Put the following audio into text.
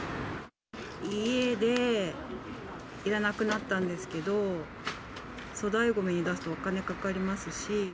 家でいらなくなったんですけど、粗大ごみに出すとお金かかりますし。